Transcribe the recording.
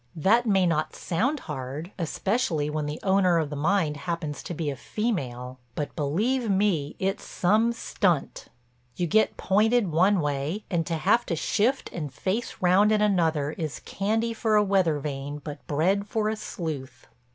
That may not sound hard—especially when the owner of the mind happens to be a female—but believe me it's some stunt. You get pointed one way, and to have to shift and face round in another is candy for a weather vane but bread for a sleuth.